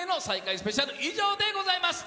スペシャル、以上でございます。